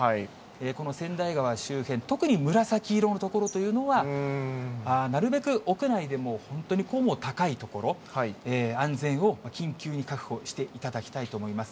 この川内川周辺、特に紫色の所というのは、なるべく屋内でも本当に高い所、安全を緊急に確保していただきたいと思います。